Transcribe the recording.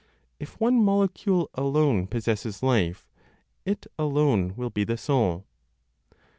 If one molecule alone possesses life, it alone will be the soul.